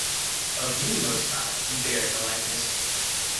Of you, Most High, he bears the likeness.